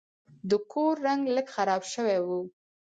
د کور رنګ لږ خراب شوی و.